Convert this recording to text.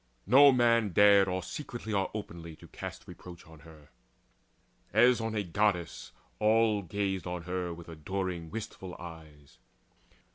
No man dared Or secretly or openly to cast Reproach on her. As on a Goddess all Gazed on her with adoring wistful eyes.